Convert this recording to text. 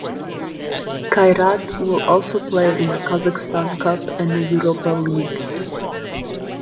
Kairat will also play in the Kazakhstan Cup and the Europa League.